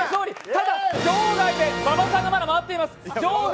ただ場外で馬場さんがまだ回っています。